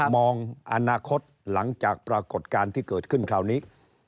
มองอนาคตหลังจากปรากฏการณ์ที่เกิดขึ้นคราวนี้